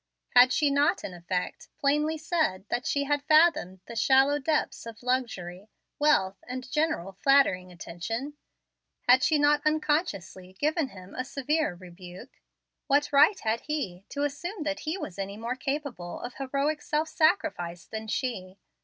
Had she not in effect plainly said that she had fathomed the shallow depths of luxury, wealth, and general flattering attention? Had she not unconsciously given him a severe rebuke? What right had he to assume that he was any more capable of heroic self sacrifice than she?